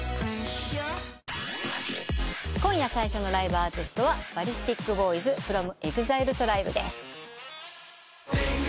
今夜最初のライブアーティストはＢＡＬＬＩＳＴＩＫＢＯＹＺｆｒｏｍＥＸＩＬＥＴＲＩＢＥです。